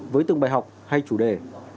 với từng bài học hay chủ đề